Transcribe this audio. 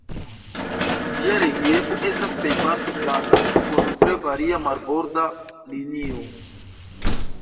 Ĝia reliefo estas plejparte plata, kun tre varia marborda linio.